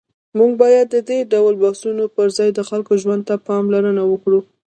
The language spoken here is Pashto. موږ باید د دې ډول بحثونو پر ځای د خلکو ژوند ته پاملرنه وکړو.